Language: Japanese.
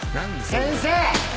先生